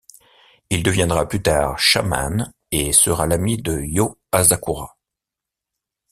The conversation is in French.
Il deviendra plus tard Shaman, et sera l'ami de Yoh Asakura.